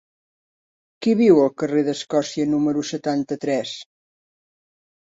Qui viu al carrer d'Escòcia número setanta-tres?